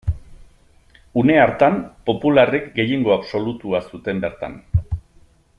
Une hartan, popularrek gehiengo absolutua zuten bertan.